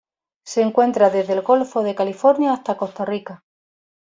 Se encuentra desde el Golfo de California hasta Costa Rica.